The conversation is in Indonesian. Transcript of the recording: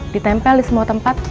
ditempel di semua tempat